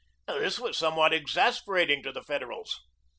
This was somewhat exasperating to the Federals.